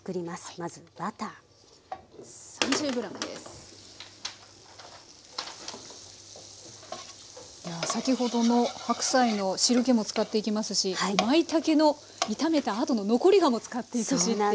まずやあ先ほどの白菜の汁けも使っていきますしまいたけの炒めたあとの残り香も使っていくしっていう。